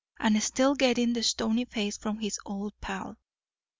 and still getting the stony face from his old pal.